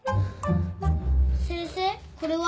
先生これは？